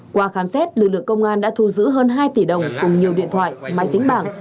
qua khám xét lực lượng công an đã thu giữ hơn hai tỷ đồng cùng nhiều điện thoại máy tính bảng